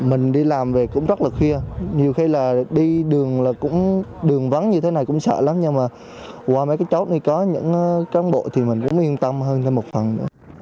mình đi làm về cũng rất là khuya nhiều khi là đi đường vắng như thế này cũng sợ lắm nhưng mà qua mấy cái chốt này có những cán bộ thì mình cũng yên tâm hơn thêm một phần nữa